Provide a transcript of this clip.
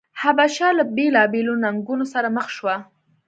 حبشه له بېلابېلو ننګونو سره مخ شوه.